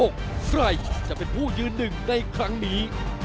ใครจะเป็นผู้ยืนหนึ่งในครั้งนี้